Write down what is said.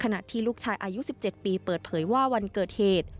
ที่ลูกชายอายุ๑๗ปีเปิดเผยว่าวันเกิดเหตุ